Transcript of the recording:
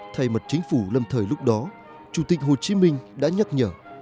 thay mặt chính phủ lâm thời lúc đó chủ tịch hồ chí minh đã nhắc nhở